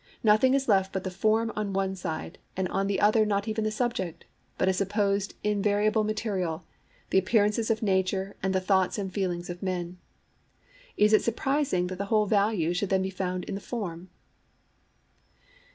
Nothing is left but the form on one side, and on the other not even the subject, but a supposed invariable material, the appearances of nature and the thoughts and feelings of men. Is it surprising that the whole value should then be found in the form?